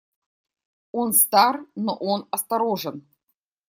Он стар, но он осторожен.